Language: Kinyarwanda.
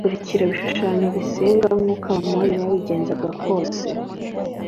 akurikira ibishushanyo bisengwa nk’uko Abamori babigenzaga kose